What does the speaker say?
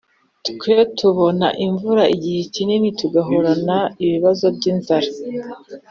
twe tubona imvura igihe kinini tugahorana ibibazo by’inzara?